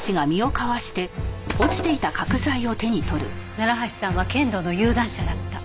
楢橋さんは剣道の有段者だった。